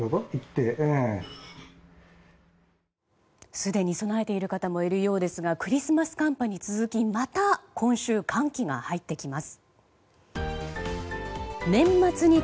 すでに備えている方もいるようですがクリスマス寒波に続きまた今週、寒気が入ってきます。